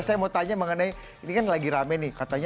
saya mau tanya mengenai ini kan lagi rame nih katanya